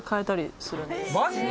マジで！？